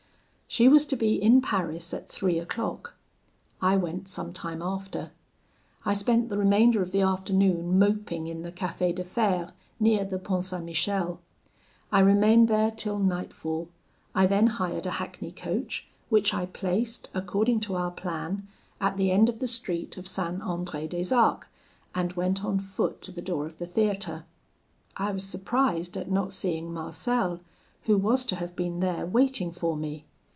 "She was to be in Paris at three o'clock. I went some time after. I spent the remainder of the afternoon moping in the Cafe de Fere, near the Pont St. Michel. I remained there till nightfall. I then hired a hackney coach, which I placed, according to our plan, at the end of the street of St. Andre des arcs, and went on foot to the door of the theatre. I was surprised at not seeing Marcel, who was to have been there waiting for me.